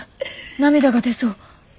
涙が出そう。